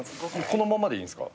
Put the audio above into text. このままでいいんですか？